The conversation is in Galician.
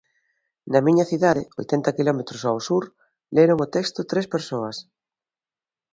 Na miña cidade, oitenta quilómetros ao sur, leron o texto tres persoas.